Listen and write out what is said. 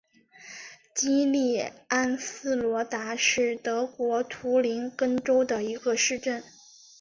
基利安斯罗达是德国图林根州的一个市镇。